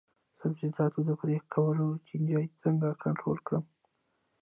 د سبزیجاتو د پرې کولو چینجي څنګه کنټرول کړم؟